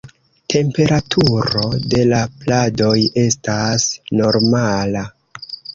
Temperaturo de la pladoj estas normala.